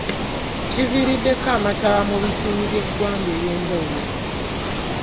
Kiviiriddeko amataba mu bitundu by’eggwanga ebyenjawulo.